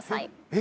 え？